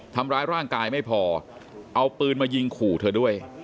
ทำร้ายร่างกายไม่พอเอาปืนมายิงขู่เธอด้วย